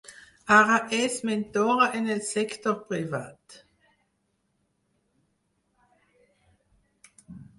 Ara és mentora en el sector privat.